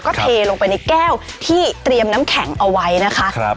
ก็เทลงไปในแก้วที่เตรียมน้ำแข็งเอาไว้นะคะ